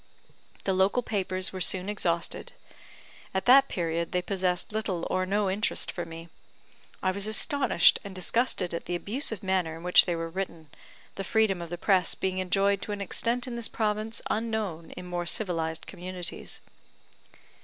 The local papers were soon exhausted. At that period they possessed little or no interest for me. I was astonished and disgusted at the abusive manner in which they were written, the freedom of the press being enjoyed to an extent in this province unknown in more civilised communities.